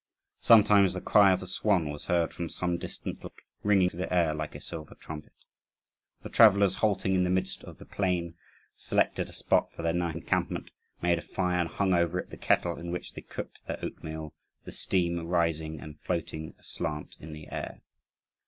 Sometimes the cry of the swan was heard from some distant lake, ringing through the air like a silver trumpet. The travellers, halting in the midst of the plain, selected a spot for their night encampment, made a fire, and hung over it the kettle in which they cooked their oatmeal; the steam rising and floating aslant in the air.